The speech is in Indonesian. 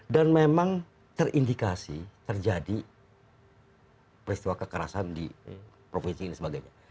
dan memang terindikasi terjadi periswa kekerasan di provinsi ini dan sebagainya